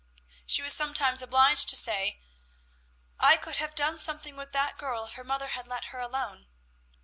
She was sometimes obliged to say, "I could have done something with that girl if her mother had let her alone."